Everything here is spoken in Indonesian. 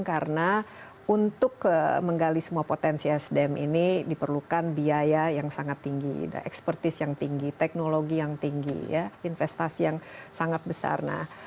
karena untuk menggali semua potensi sdm ini diperlukan biaya yang sangat tinggi ekspertis yang tinggi teknologi yang tinggi investasi yang sangat besar